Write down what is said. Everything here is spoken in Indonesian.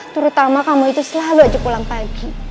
terutama kamu itu selalu aja pulang pagi